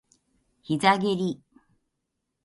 膝蹴り